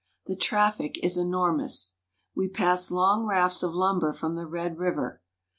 The traffic is enormous. We pass long rafts of lumber from the Red River.